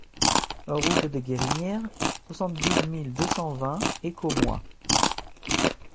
Route des Guérinières, soixante-douze mille deux cent vingt Écommoy